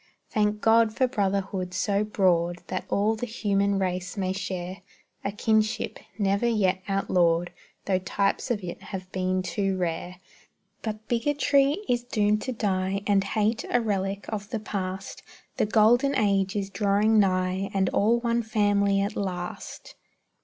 Thank God for brotherhood so broad That all the human race may share A kinship, never yet outlawed, Tho' types of it have been too rare. But bigotry is doomed to die, And hate, a relic of the past; The golden age is drawing nigh, And all one family at last!